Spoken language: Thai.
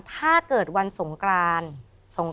ถ้าเกิดวันสงกราน